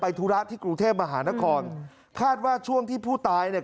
ธุระที่กรุงเทพมหานครคาดว่าช่วงที่ผู้ตายเนี่ย